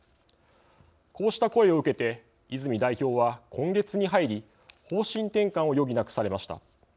こうした声を受けて泉代表は、今月に入り方針転換を余儀なくされました。